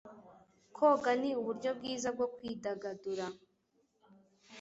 Koga ni uburyo bwiza bwo kwidagadura.